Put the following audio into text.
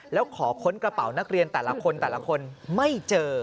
แล้วขอค้นกระเป๋านักเรียนแต่ละคนแต่ละคนไม่เจอ